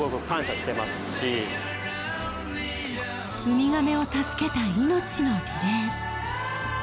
ウミガメを助けた命のリレー